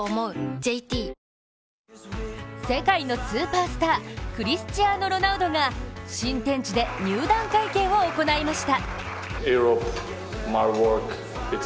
ＪＴ世界のスーパースタークリスチアーノ・ロナウドが新天地で入団会見を行いました。